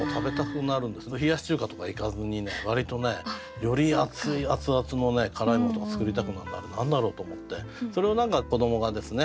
冷やし中華とかいかずにね割とねより熱い熱々の辛いものとか作りたくなるのあれ何だろうと思ってそれを何か子どもがですね